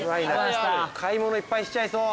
買い物いっぱいしちゃいそう。